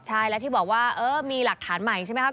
ใช่แล้วที่บอกว่าเออมีหลักฐานใหม่ใช่ไหมครับ